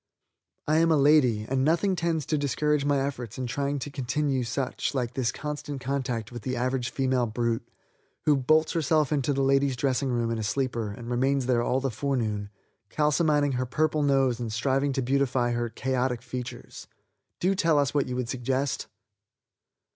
I am a lady, and nothing tends to discourage my efforts in trying to continue such like this constant contact with the average female brute who bolts herself into the ladies' dressing room in a sleeper and remains there all the forenoon calcimining her purple nose and striving to beautify her chaotic features. Do tell us what you would suggest."